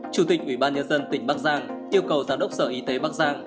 chủ tịch ubnd tỉnh bác giang yêu cầu giám đốc sở y tế bác giang